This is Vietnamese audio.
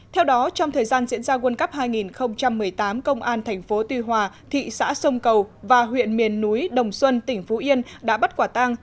theo đó trong thời gian diễn ra world cup hai nghìn một mươi tám công an thành phố tuy hòa thị xã sông cầu và huyện miền núi đồng xuân tỉnh phú yên đã bắt quả tang